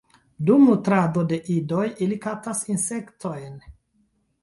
Dum nutrado de idoj ili kaptas insektojn.